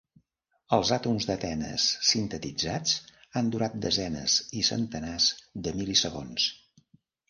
Els àtoms de tennes sintetitzats han durat desenes i centenars de mil·lisegons.